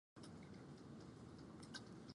Cây chẳng còn xạc xào rơi rụng lá